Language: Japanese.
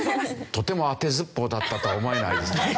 とても当てずっぽうだったとは思えないですね。